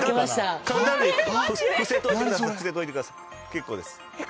結構です。